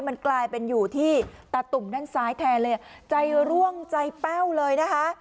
มันกลายเป็นอยู่ที่ตาตุ่มด้านซ้ายแทนเลยใจร่วงใจแป้วเลยนะคะ